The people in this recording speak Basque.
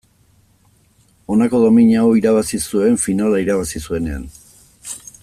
Honako domina hau irabazi zuen finala irabazi zuenean.